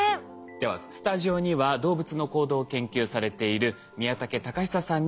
ではスタジオには動物の行動を研究されている宮竹貴久さんにお越し頂きました。